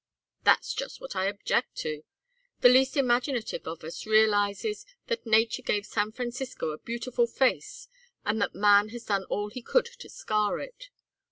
"That's just what I object to. The least imaginative of us realizes that nature gave San Francisco a beautiful face and that man has done all he could to scar it.